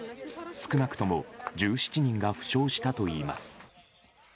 少なくとも１７人が負傷したといいます。